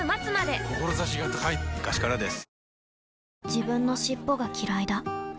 自分の尻尾がきらいだ